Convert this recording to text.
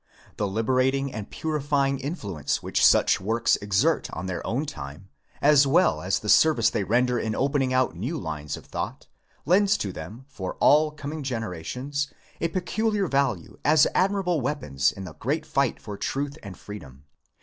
The liberating and purifying influence which such works exert LOGL2GI2 vi INTRODUCTION, on their own time, as well as the service they render in opening out new lines of thought, lends to them, for all coming generations, a peculiar value as admirable weapons in the great fight for truth and freedom.